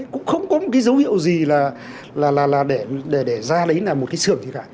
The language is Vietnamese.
cũng không có một cái dấu hiệu gì là để ra đấy là một cái xưởng gì cả